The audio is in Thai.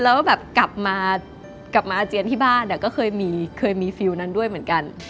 แล้วแบบกลับมาอาเจียนที่บ้านก็เคยมีความรู้สึกนั้นด้วยเหมือนกัน